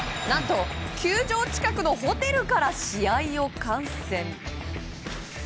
何と球場近くのホテルから試合を観戦。